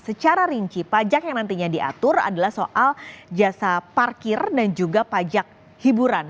secara rinci pajak yang nantinya diatur adalah soal jasa parkir dan juga pajak hiburan